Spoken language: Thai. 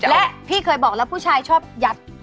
และพี่เคยบอกแล้วผู้ชายชอบยัด